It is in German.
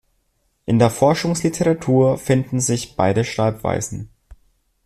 In der Forschungsliteratur finden sich beide Schreibweisen.